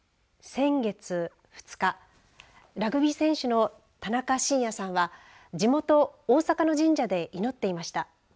先月２日ラグビー選手の田中伸弥さんは地元、大阪の神社で祈っていました。